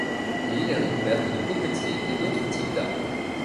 L'île est recouverte de cocotiers et d'autres types d'arbres.